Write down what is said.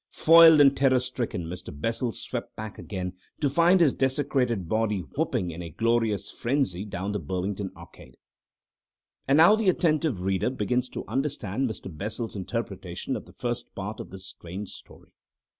Foiled and terror stricken, Mr. Bessel swept back again, to find his desecrated body whooping in a glorious frenzy down the Burlington Arcade.... And now the attentive reader begins to understand Mr. Bessel's interpretation of the first part of this strange story.